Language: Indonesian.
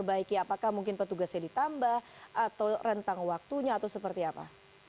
apakah mungkin petugasnya ditambah atau rentang waktunya atau seperti apa